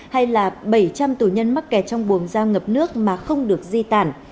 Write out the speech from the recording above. hay là bảy trăm linh tù nhân mắc kẹt trong buồng giao ngập nước mà không được di tản